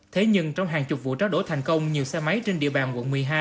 thế nhưng trong hàng chục vụ tráo đổ thành công nhiều xe máy trên địa bàn quận một mươi hai